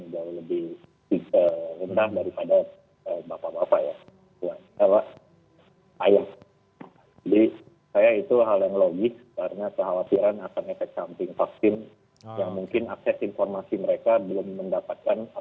terupa dengan survei sebelumnya